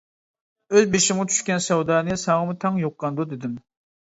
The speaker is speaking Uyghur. ئۆز بېشىمغا چۈشكەن سەۋدانى، ساڭىمۇ تەڭ يۇققاندۇ دېدىم.